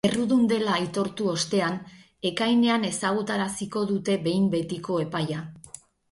Errudun dela aitortu ostean, ekainean ezagutaraziko dute behin betiko epaia.